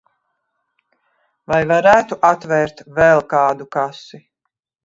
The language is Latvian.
Vai varētu atvērt vēl kādu kasi?